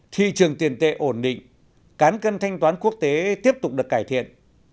thị trường tiền tệ ổn định cán cân thanh toán quốc tế tiếp tục được cải thiện